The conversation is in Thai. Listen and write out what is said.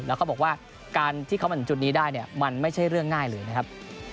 แล้วเขาบอกว่าการที่เขามาถึงจุดนี้ได้เนี่ยมันไม่ใช่เรื่องง่ายเลยนะครับ